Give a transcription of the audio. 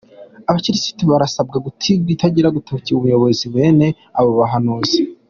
Abakirisitu barasabwa gutungira agatoki ubuyobozi bene abo bahanuzi .